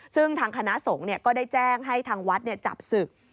ซึ่งทางคณะสงฆ์ก็ได้แจ้งให้ทางวัดจับศึก